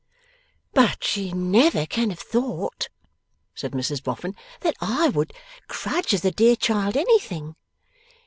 'But she never can have thought,' said Mrs Boffin, 'that I would grudge the dear child anything?